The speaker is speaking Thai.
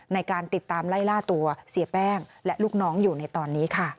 ในการติดตามไล่ล่าตัวเสียแป้งและลูกน้องอยู่ในตอนนี้ค่ะ